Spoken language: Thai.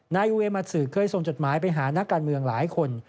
นายเวมัสสื่อเคยส่งจดหมายไปหานักการเมืองหลายคน